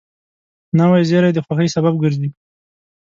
نوې زېری د خوښۍ سبب ګرځي